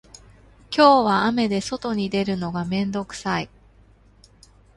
今日は雨で外に出るのが面倒くさい